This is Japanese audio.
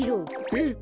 えっ？